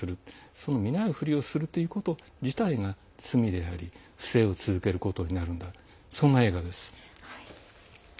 その見ないふりをすること自体が罪であり、不正を続けることになるんだというそんな映画です。